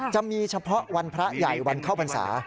จะมีเฉพาะวันพระใหญ่วันเข้าพรรษา